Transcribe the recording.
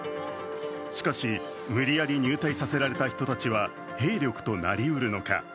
しかし、無理やり入隊させられた人たちは兵力となり得るのか。